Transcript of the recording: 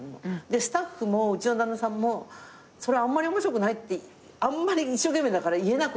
スタッフもうちの旦那さんもそれあんまり面白くないってあんまり一生懸命だから言えなくって。